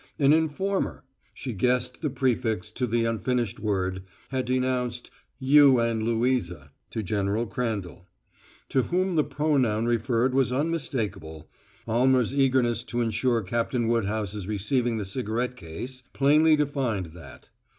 An informer she guessed the prefix to the unfinished word had denounced "you and Louisa" to General Crandall. To whom the pronoun referred was unmistakable Almer's eagerness to insure Captain Woodhouse's receiving the cigarette case plainly defined that.